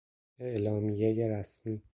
اعلامیهی رسمی